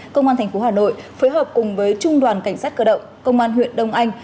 công an tp hà nội phối hợp cùng với trung đoàn cảnh sát cơ động công an huyện đông anh